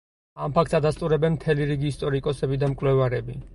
ამ ფაქტს ადასტურებენ მთელი რიგი ისტორიკოსები და მკვლევარები.